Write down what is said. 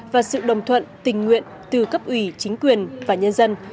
và sự đồng thuận tình nguyện từ cấp ủy chính quyền và nhân dân